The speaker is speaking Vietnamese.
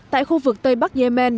tại khu vực tây bắc yemen